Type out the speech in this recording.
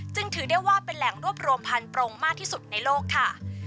จึงถือได้ว่าเป็นแหล่งรวบรวมพันธรงมากที่สุดในโลกค่ะ